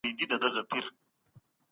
ثبت کړئ.